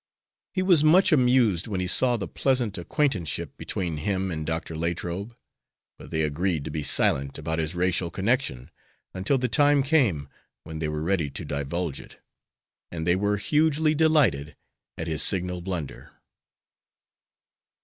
He was much amused when he saw the pleasant acquaintanceship between him and Dr. Latrobe, but they agreed to be silent about his racial connection until the time came when they were ready to divulge it; and they were hugely delighted at his signal blunder.